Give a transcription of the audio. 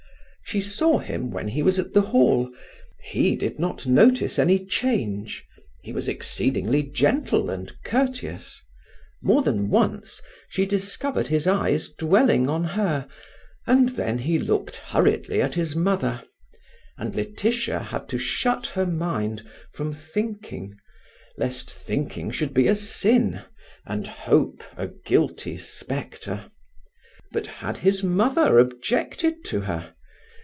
She saw him when he was at the Hall. He did not notice any change. He was exceedingly gentle and courteous. More than once she discovered his eyes dwelling on her, and then he looked hurriedly at his mother, and Laetitia had to shut her mind from thinking, lest thinking should be a sin and hope a guilty spectre. But had his mother objected to her?